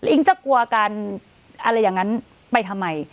จะกลัวกันอะไรอย่างนั้นไปทำไม